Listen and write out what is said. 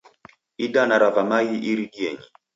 Inda rava maghi iridienyi.